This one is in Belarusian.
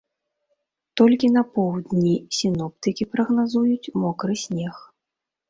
Толькі на поўдні сіноптыкі прагназуюць мокры снег.